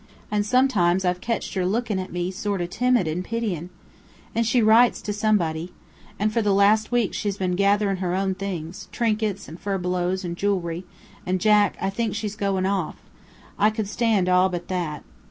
And sometimes I've ketched her lookin' at me sort of timid and pitying. And she writes to somebody. And for the last week she's been gathering her own things trinkets, and furbelows, and jew'lry and, Jack, I think she's goin' off. I could stand all but that.